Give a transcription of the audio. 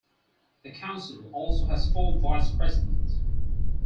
The council also has four vice presidents.